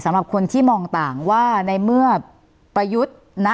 สำหรับคนที่มองต่างว่าในเมื่อประยุทธ์นะ